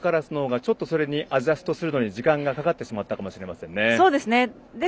アルカラスの方がアジャストするのに時間がかかってしまったかもしれませんね。